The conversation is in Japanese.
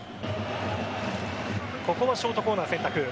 ここはショートコーナー選択。